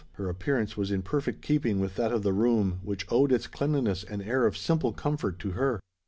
—her appearance was in perfect keeping with that of the room which owed its cleanliness and air of simple comfort to her.